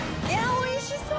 おいしそう。